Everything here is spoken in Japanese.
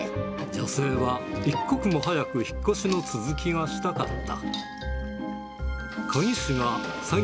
女性は一刻も早く引っ越しの続きがしたかった。